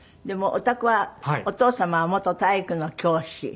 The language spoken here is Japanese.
でもおたくはお父様は元体育の教師。